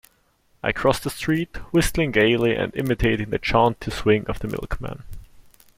I crossed the street, whistling gaily and imitating the jaunty swing of the milkman.